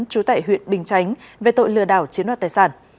chú tệ huyện bình chánh về tội lừa đảo chiếm đoạt tài sản